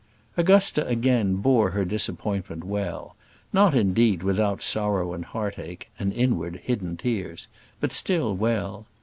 Augusta again bore her disappointment well: not, indeed, without sorrow and heartache, and inward, hidden tears; but still well.